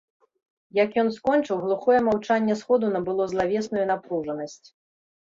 Як ён скончыў, глухое маўчанне сходу набыло злавесную напружанасць.